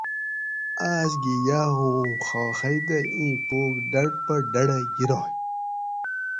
آۤس گھی یہ اُوں خاخئ دہ ایں پوگ ڈڑ پہ ڈڑہ گرائ